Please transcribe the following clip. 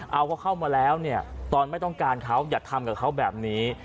เอาว่าเข้ามาแล้วเนี่ยตอนไม่ต้องการเขาอย่าทำกับเขาแบบนี้